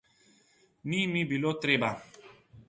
Ni mi bilo treba.